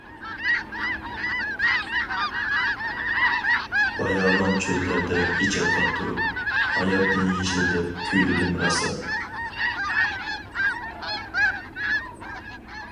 باياۋان چۆللەردە ئېچىرقاپ تۇرۇپ، ھاياتنى يېشىل دەپ كۈيلىدىم راسا.